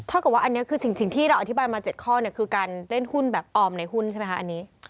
กับว่าอันนี้คือสิ่งที่เราอธิบายมา๗ข้อคือการเล่นหุ้นแบบออมในหุ้นใช่ไหมคะอันนี้